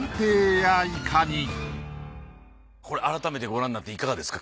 これ改めてご覧になっていかがですか？